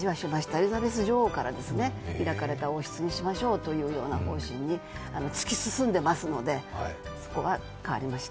エリザベス女王から開かれた王室にしましょうというような方針に突き進んでいますので、そこは変わりました。